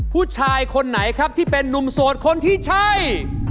ผู้ชายคนไหนครับที่เป็นนุ่มโสดคนที่ใช่